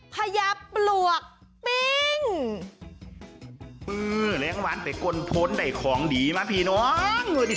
พยาปลวกปิ้ง